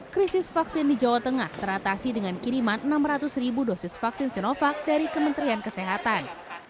krisis vaksin di jawa tengah teratasi dengan kiriman enam ratus ribu dosis vaksin sinovac dari kementerian kesehatan